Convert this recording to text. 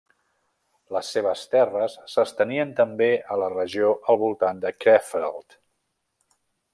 Les seves terres s'estenien també a la regió al voltant de Krefeld.